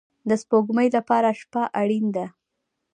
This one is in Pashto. د سپوږمۍ لپاره شپه اړین ده